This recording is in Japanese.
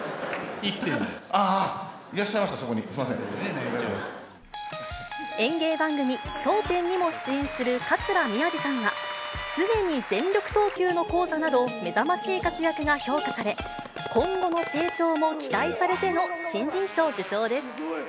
あー、いらっしゃいました、演芸番組、笑点にも出演する桂宮治さんは、常に全力投球の高座など、目覚ましい活躍が評価され、今後の成長も期待されての新人賞受賞です。